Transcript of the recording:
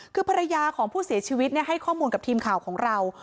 คือภรรยาของผู้เสียชีวิตให้ข้อมูลกับทีมข่าวของเรา